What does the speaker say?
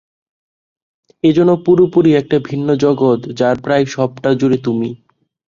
এ যেন পুরোপুরি এক ভিন্ন জগত যার প্রায় সবটা জুড়ে তুমি।